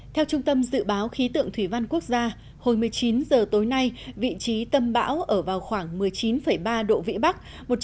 theo trung tâm dự báo khí tượng thủy văn quốc gia hồi một mươi chín h tối nay vị trí tâm bão ở vào khoảng một mươi chín ba độ vĩ bắc